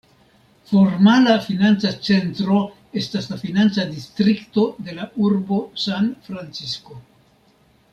Formala financa centro estas la financa distrikto de la urbo San-Francisko.